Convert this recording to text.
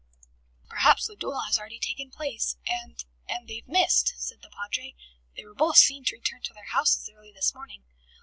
"Perhaps the duel has already taken place, and and they've missed," said the Padre. "They were both seen to return to their houses early this morning."